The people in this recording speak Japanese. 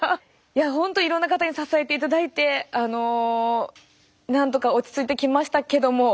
いや本当いろんな方に支えていただいてなんとか落ち着いてきましたけども。